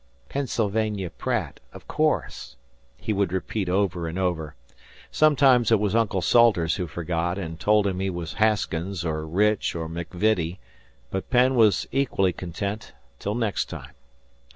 "Pennsylvania Pratt, of course," he would repeat over and over. Sometimes it was Uncle Salters who forgot, and told him he was Haskins or Rich or McVitty; but Penn was equally content till next time.